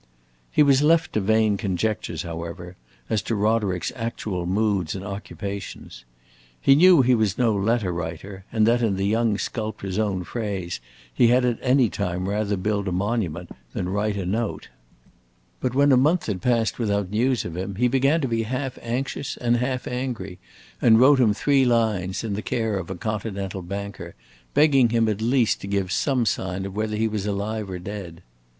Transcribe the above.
He was left to vain conjectures, however, as to Roderick's actual moods and occupations. He knew he was no letter writer, and that, in the young sculptor's own phrase, he had at any time rather build a monument than write a note. But when a month had passed without news of him, he began to be half anxious and half angry, and wrote him three lines, in the care of a Continental banker, begging him at least to give some sign of whether he was alive or dead.